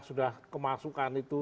sudah kemasukan itu